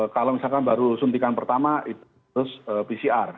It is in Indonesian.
kalau misalkan baru suntikan pertama itu harus pcr